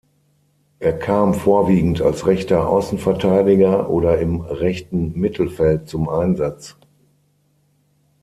Er kam vorwiegend als rechter Außenverteidiger oder im rechten Mittelfeld zum Einsatz.